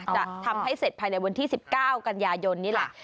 จะทำให้เสร็จภายในวันที่๑๙กันยายนนี่แหละ